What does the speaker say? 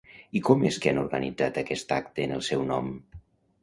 I com és que han organitzat aquest acte en el seu nom?